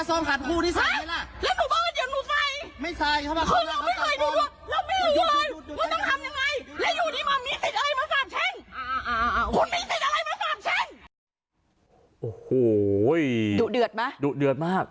โอ้โหดุเดือดไหมดุเดือดมาก